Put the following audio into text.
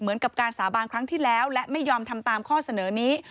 เหมือนกับการสาบานครั้งที่แล้วและไม่ยอมทำตามข้อเสนอนี้